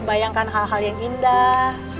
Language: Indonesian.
bayangkan hal hal yang indah